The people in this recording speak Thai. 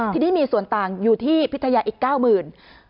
ทีนี้มีส่วนต่างอยู่ที่พิทยาอีก๙๐๐บาท